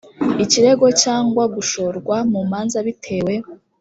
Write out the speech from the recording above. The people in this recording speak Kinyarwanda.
ikirego cyangwa gushorwa mu manza bitewe